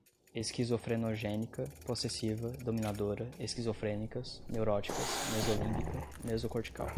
esquizofrenogénica, possessiva, dominadora, esquizofrênicas, neuróticas, mesolímbica, mesocortical